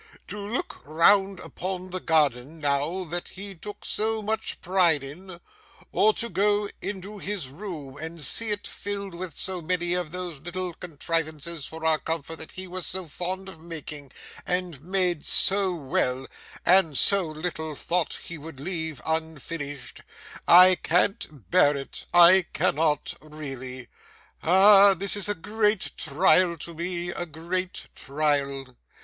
To look round upon the garden, now, that he took so much pride in, or to go into his room and see it filled with so many of those little contrivances for our comfort that he was so fond of making, and made so well, and so little thought he would leave unfinished I can't bear it, I cannot really. Ah! This is a great trial to me, a great trial.